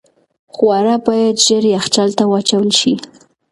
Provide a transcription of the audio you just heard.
خواړه باید ژر یخچال ته واچول شي.